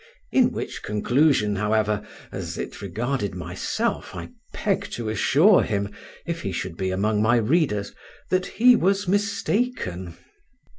In which conclusion, however, as it regarded myself, I beg to assure him, if he should be among my readers, that he was mistaken.